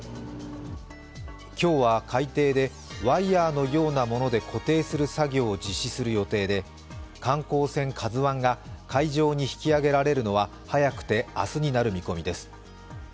今日は海底でワイヤーのようなもので固定する作業を実施する予定で観光船「ＫＡＺＵⅠ」が海上に引き揚げられるのは早くて明日になる見込みです。